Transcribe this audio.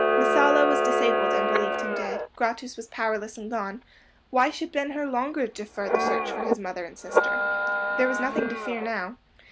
Messala was disabled and believed him dead; Gratus was powerless and gone; why should Ben Hur longer defer the search for his mother and sister? There was nothing to fear now.